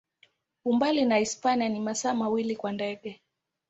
Umbali na Hispania ni masaa mawili kwa ndege.